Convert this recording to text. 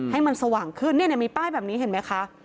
ให้มันสว่างขึ้นมีป้ายแบบนี้เห็นไหมคะ